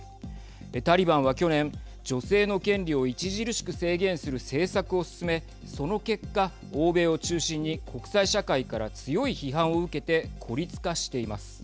タリバンは去年、女性の権利を著しく制限する政策を進めその結果、欧米を中心に国際社会から強い批判を受けて孤立化しています。